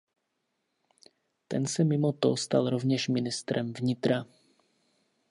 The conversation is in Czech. Ten se mimo to stal rovněž ministrem vnitra.